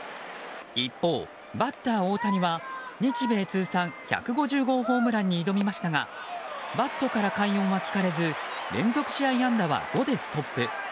一方、バッター大谷は日米通算１５０号ホームランに挑みましたがバットから快音は聞かれず連続試合安打は５でストップ。